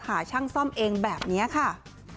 หาช่างซ่อมเองแบบนี้ค่ะ